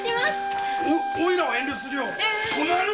おいらは遠慮するよ。